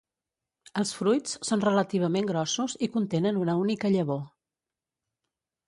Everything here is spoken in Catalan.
Els fruits són relativament grossos i contenen una única llavor.